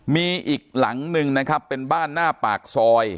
มีอีกหลังหนึ่งนะครับเป็นบ้านหน้าปากซอย